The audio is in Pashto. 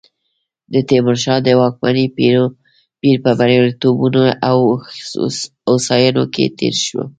د تیمورشاه د واکمنۍ پیر په بریالیتوبونو او هوساینو کې تېر شو.